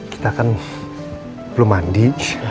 kita kan belum mandi